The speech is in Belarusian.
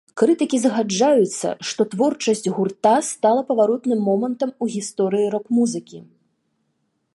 Крытыкі згаджаюцца, што творчасць гурта стала паваротным момантам у гісторыі рок-музыкі.